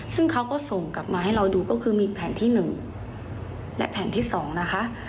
ซึ่งเขาก็ส่งกลับมาให้เราดูก็คือมีแผ่นที่๑และแผ่นที่๒นะคะ